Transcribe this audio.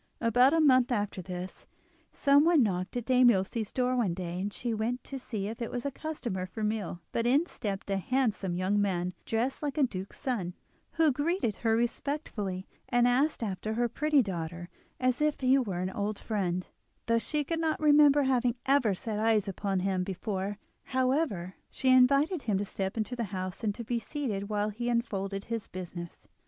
About a month after this, someone knocked at Dame Ilse's door one day, and she went to see if it was a customer for meal; but in stepped a handsome young man, dressed like a duke's son, who greeted her respectfully, and asked after her pretty daughter as if he were an old friend, though she could not remember having ever set eyes upon him before. However, she invited him to step into the house and be seated while he unfolded his business.